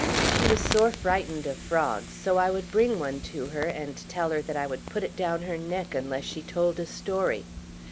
She was sore frightened of frogs, so I would bring one to her, and tell her that I would put it down her neck unless she told a story.